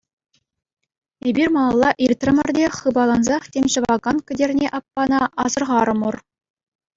Эпир малалла иртрӗмӗр те хыпалансах тем ҫӑвакан Кӗтерне аппана асӑрхарӑмӑр.